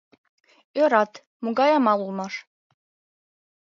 Ӧрат, могай амал улмаш.